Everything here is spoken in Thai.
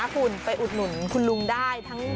คุณไปอุดหนุนคุณลุงได้ทั้งหมด